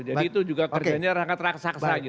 jadi itu juga kerjanya raksasa gitu